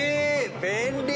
便利！